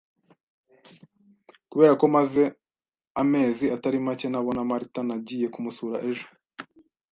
Kubera ko maze amezi atari make ntabona Martha, nagiye kumusura ejo.